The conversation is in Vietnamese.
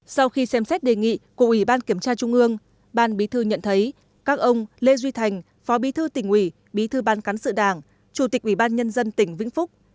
sau khi xem xét đề nghị của ủy ban kiểm tra trung ương ban bí thư nhận thấy các ông lê duy thành phó bí thư tỉnh ủy bí thư ban cán sự đảng chủ tịch ủy ban nhân dân tỉnh vĩnh phúc